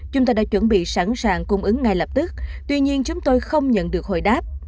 chúng ta đã chuẩn bị sẵn sàng cung ứng ngay lập tức tuy nhiên chúng tôi không nhận được hồi đáp